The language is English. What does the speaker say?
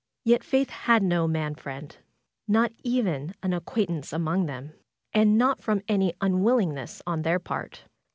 Yet Faith had no man friend ; not even an acquaintance among them ; and not from any unwillingness on their part.